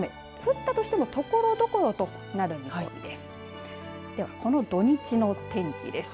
ただ、きょうの雨降ったとしても、ところどころとなる見込みです。